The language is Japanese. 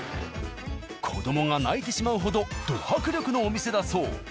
子どもが泣いてしまうほどど迫力のお店だそう。